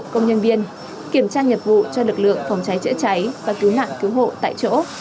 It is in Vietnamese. công nhân viên kiểm tra nghiệp vụ cho lực lượng phòng cháy chữa cháy và cứu nạn cứu hộ tại chỗ